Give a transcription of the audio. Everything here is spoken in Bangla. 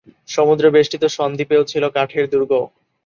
সমুদ্রবেষ্টিত সন্দ্বীপেও ছিল কাঠের দুর্গ।